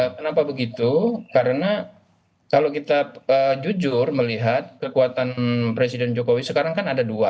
kenapa begitu karena kalau kita jujur melihat kekuatan presiden jokowi sekarang kan ada dua